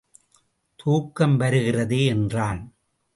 தூக்கம் வருகிறதே என்றான்.